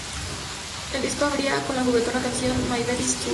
El disco abría con la "juguetona" canción "My Bed Is Too Big".